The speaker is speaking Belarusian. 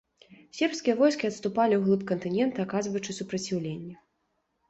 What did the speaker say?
Сербскія войскі адступалі ўглыб кантынента, аказваючы супраціўленне.